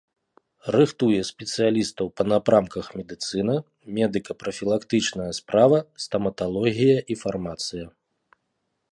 Рыхтуе спецыялістаў па напрамках медыцына, медыка-прафілактычная справа, стаматалогія і фармацыя.